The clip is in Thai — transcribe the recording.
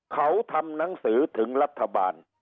เขาทำหนังสือถึงรัฐบาล